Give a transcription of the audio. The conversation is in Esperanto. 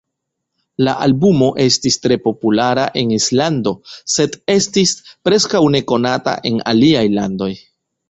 La albumo estis tre populara en Islando, sed estis preskaŭ nekonata en aliaj landoj.